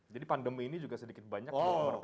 jadi pandemi ini juga sedikit banyak pengaruh